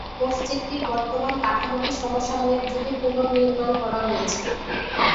মসজিদটির বর্তমান কাঠামোটি সমসাময়িক যুগে পুনর্নির্মাণ করা হয়েছে।